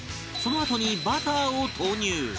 そのあとにバターを投入